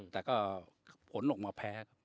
แต่ก็ผลออกมาแพ้